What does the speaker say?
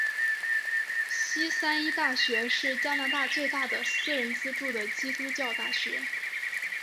西三一大学是加拿大最大的私人资助的基督教大学。